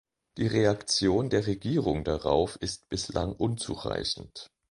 Die Reaktion der Regierung darauf ist bislang unzureichend.